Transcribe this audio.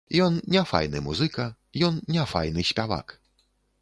Ён не файны музыка, ён не файны спявак.